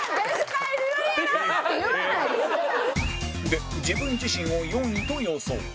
で自分自身を４位と予想